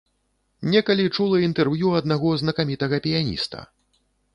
Некалі чула інтэрв'ю аднаго знакамітага піяніста.